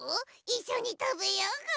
いっしょにたべようぐ。